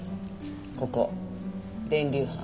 ここ電流斑。